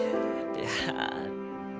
いや。